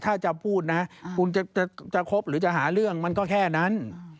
ถ้าจะพูดนะคุณจะคบหรือจะหาเรื่องมันก็แค่นั้น